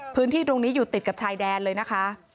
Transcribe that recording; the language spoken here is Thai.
พื้นที่ตรงนี้อยู่ติดกับชายแดนเลยนะคะ